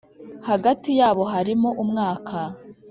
Hagati yabo harimo umwaka.